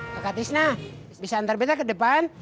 kakak fisna bisa antar bete ke depan